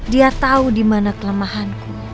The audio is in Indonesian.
dia tahu dimana kelemahanku